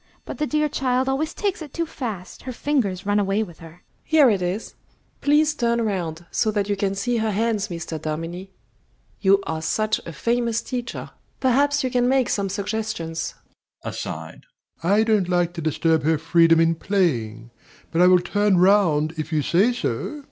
But the dear child always takes it too fast: her fingers run away with her. MRS. N. Here it is. Please turn round so that you can see her hands, Mr. Dominie. You are such a famous teacher, perhaps you can make some suggestions. (I was expected only to admire.) DOMINIE. I don't like to disturb her freedom in playing; but I will turn round, if you say so.